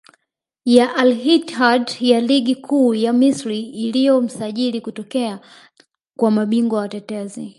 ya Al Ittihad ya Ligi Kuu ya Misri iliyo msajili kutokea kwa mabingwa watetezi